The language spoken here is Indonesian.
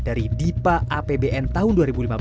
dari dipa apbn tahun dua ribu lima belas